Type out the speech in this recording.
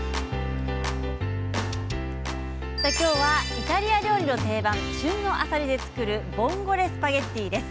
イタリア料理の定番旬のあさりで作るボンゴレスパゲッティです。